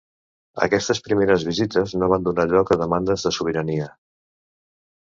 Aquestes primeres visites no van donar lloc a demandes de sobirania.